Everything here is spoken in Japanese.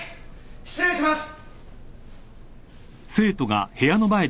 失礼します。